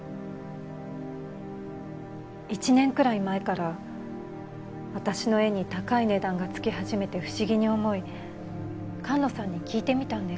１年くらい前から私の絵に高い値段が付き始めて不思議に思い菅野さんに聞いてみたんです。